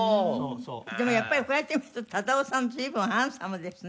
でもやっぱりこうやって見ると忠夫さん随分ハンサムですね。